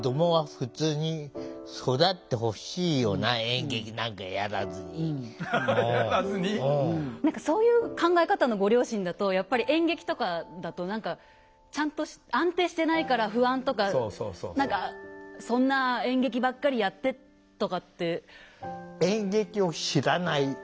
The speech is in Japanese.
今大人になって考えるとそういう考え方のご両親だとやっぱり演劇とかだと安定してないから不安とか何かそんな演劇ばっかりやってとかって。